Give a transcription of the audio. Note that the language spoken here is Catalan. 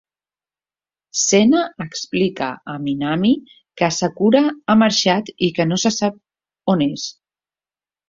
Sena explica a Minami que Asakura ha marxat i que no se sap on és.